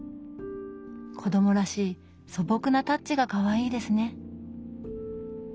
子どもらしい素朴なタッチがかわいいですね。